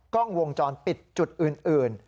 กล้องวงจรปิดจุดอื่น